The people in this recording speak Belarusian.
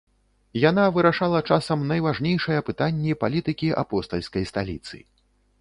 Яна вырашала часам найважнейшыя пытанні палітыкі апостальскай сталіцы.